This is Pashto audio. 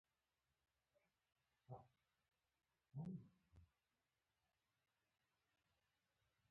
هغه به له غور وروسته خپله پرېکړه اوروله.